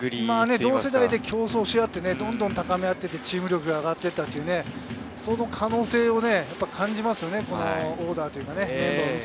同世代で競争し合って高め合って、チーム力が上がってという可能性を感じますよね、このオーダーというか。